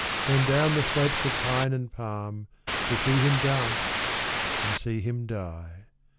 Came down the slopes of pine and palm To see him dance and see him die.